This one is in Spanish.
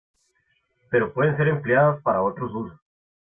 Pero pueden ser empleadas para otros usos.